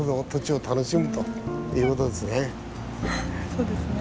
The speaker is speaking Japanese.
そうですね。